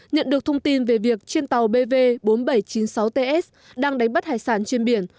nhận được thông tin về việc trên tàu bv bốn nghìn bảy trăm chín mươi sáu ts đang đánh bắt hải sản trên biển